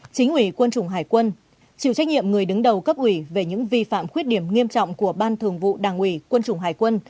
chính ủy quân chủng hải quân chịu trách nhiệm người đứng đầu cấp ủy về những vi phạm khuyết điểm nghiêm trọng của ban thường vụ đảng ủy quân chủng hải quân